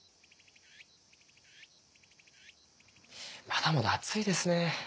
まだまだ暑いですね。